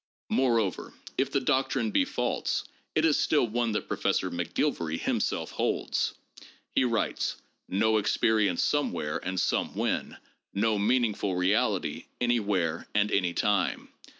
Moreover, if the doctrine be false, it is still one that Professor McGilvary himself holds. He writes : "No experience somewhere and somewhen, no meaningful reality anywhere and anytime.